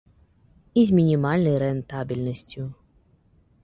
І з мінімальнай рэнтабельнасцю.